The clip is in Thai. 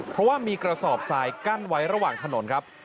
เพราะว่ามีกระสอบทรายกั้นไว้ระหว่างถนนครับ